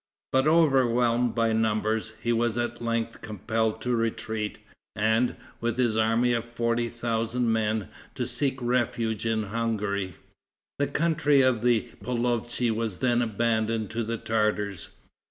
But, overwhelmed by numbers, he was at length compelled to retreat, and, with his army of forty thousand men, to seek a refuge in Hungary. The country of the Polovtsi was then abandoned to the Tartars.